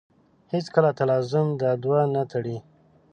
هېڅکله تلازم دا دوه نه تړي.